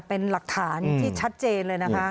เป็นหลักฐานที่ชัดเจนเลยนะคะ